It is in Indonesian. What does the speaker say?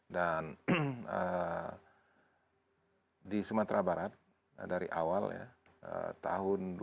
dan di sumatera barat dari awal tahun dua ribu dua puluh yang lalu